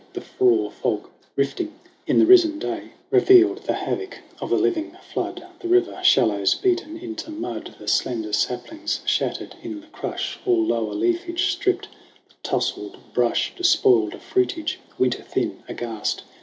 The frore fog, rifting in the risen day, 68 SONG OF HUGH GLASS Revealed the havoc of the living flood The river shallows beaten into mud, The slender saplings shattered in the crush, All lower leafage stripped, the tousled brush Despoiled of fruitage, winter thin, aghast.